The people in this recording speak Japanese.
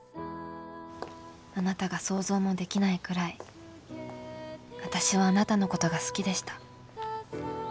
あなたが想像もできないくらい私はあなたのことが好きでした。